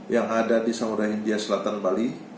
yang ada di samudera india selatan bali